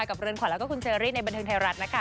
กลับเรือนขวัญแล้วก็คุณเจอรินในบรรทึงไทยรัฐนะคะ